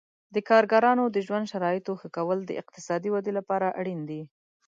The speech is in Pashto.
د کارګرانو د ژوند شرایطو ښه کول د اقتصادي ودې لپاره اړین دي.